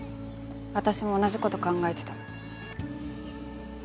私も同じこと考えてた